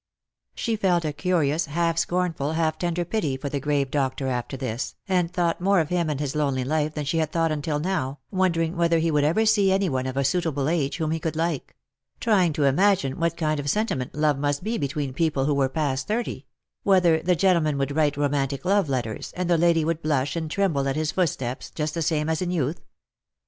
She felt a curious, half scornful, half tender pity for the grave doctor after this, and thought more of him and his lonely life than she had thought until now, wondering whether he would ever see any one of a suitable age, whom he could like ; trying to imagine what kind of sentiment love must be between people who were past thirty ; whether the gentleman would write romantic love letters, and the lady would blush and tremble at his footsteps just the same as in youth.